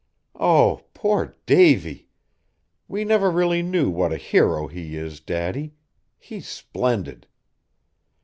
Oh! poor Davy. We never really knew what a hero he is, Daddy. He's splendid!"